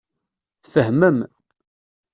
Tfehmem.